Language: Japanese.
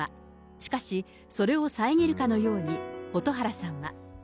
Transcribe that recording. しかしそれを遮るかのように蛍原さんは。